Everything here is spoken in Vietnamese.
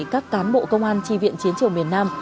các cán bộ công an tri viện chiến trường miền nam